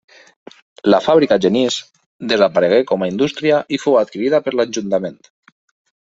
La fàbrica Genís desaparegué com a indústria i fou adquirida per l'Ajuntament.